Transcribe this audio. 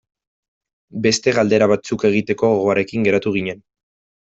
Beste galdera batzuk egiteko gogoarekin geratu ginen.